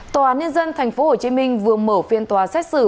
tòa án nhân dân tp hcm vừa mở phiên tòa xét xử